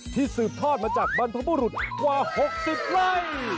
สืบทอดมาจากบรรพบุรุษกว่า๖๐ไร่